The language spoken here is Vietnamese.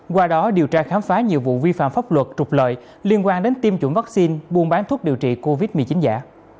qua đó điều tra khám phá nhiều vụ vi phạm pháp luật trục lợi liên quan đến tiêm chủng vaccine buôn bán thuốc điều trị covid một mươi chín giả